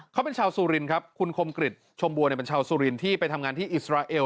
เขาเป็นชาวสุรินครับคุณคมกริจชมบัวเป็นชาวสุรินที่ไปทำงานที่อิสราเอล